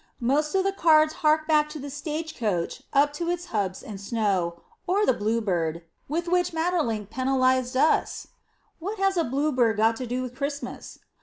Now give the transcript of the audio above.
Most of the cards hark back to the stage coach up to its hubs in snow, or the blue bird, with which Maeterlinck penalized us (what has a blue bird got to do with Christmas?)